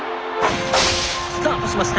スタートしました。